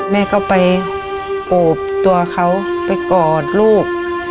แม่ก็ไปโอบตัวเขาไปกอดลูก